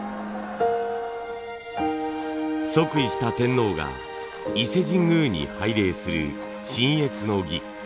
即位した天皇が伊勢神宮に拝礼する親謁の儀。